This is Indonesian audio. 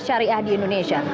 syariah di indonesia